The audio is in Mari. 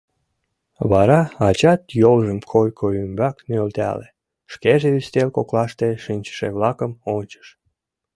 Вара ачат йолжым койко ӱмбак нӧлтале, шкеже ӱстел коклаште шинчыше-влакым ончыш.